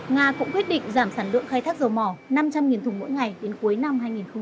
nga cũng quyết định giảm sản lượng khai thác dầu mỏ năm trăm linh thùng mỗi ngày đến cuối năm hai nghìn hai mươi